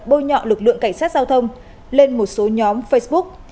bôi nhọ lực lượng cảnh sát giao thông lên một số nhóm facebook